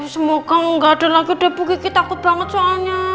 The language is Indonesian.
semoga nggak ada lagi debu kiki takut banget soalnya